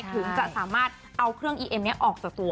ถึงจะสามารถเอาเครื่องอีเอ็มนี้ออกจากตัว